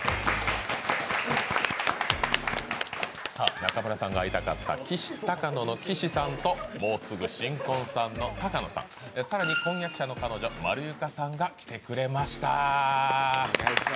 中村さんが会いたかったきしたかのの岸さんともうすぐ新婚さんの高野さん更に婚約者の彼女・まるゆかさんが来てくれました。